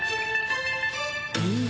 うん。